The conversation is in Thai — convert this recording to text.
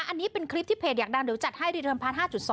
อันนี้เป็นคลิปที่เพจอยากดังเดี๋ยวจัดให้รีเทิร์นพาร์ท๕๒